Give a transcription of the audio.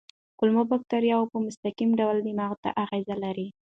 کولمو بکتریاوې په مستقیم ډول دماغ ته اغېز لري.